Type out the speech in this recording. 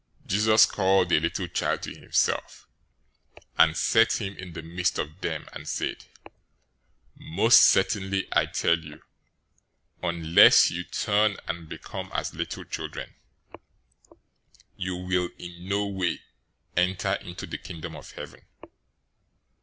018:002 Jesus called a little child to himself, and set him in the midst of them, 018:003 and said, "Most certainly I tell you, unless you turn, and become as little children, you will in no way enter into the Kingdom of Heaven.